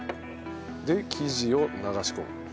で生地を流し込む。